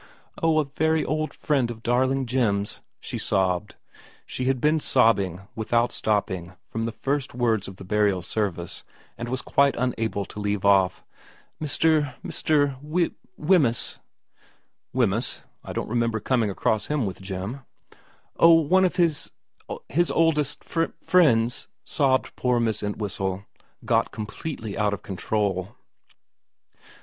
' Oh, a very old friend of darling Jim's,' she sobbed, she had been sobbing without stopping from the first words of the burial service, and was quite unable to leave off. * Mr. Mr. We We Wemyss ' Wemyss ? I don't remember coming across him with Jim.' ' Oh, one of his his oldest f fr friends,' sobbed poor Miss Entwhistle, got completely out of control.